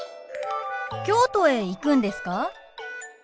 京都へ行くんですか？